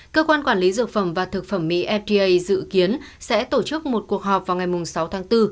cơ quan quản lý dược phẩm và thực phẩm mỹ fda dự kiến sẽ tổ chức một cuộc họp vào ngày sáu tháng bốn